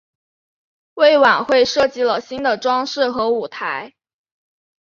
为晚会设计了新的装饰和舞台。